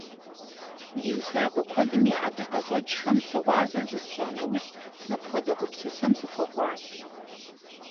Ди усакӀуэ куэдым я ӀэдакъэщӀэкӀхэм щыгъуазэ зысщӀа нэужь, мыпхуэдэ гупсысэм сыхуэкӀуащ.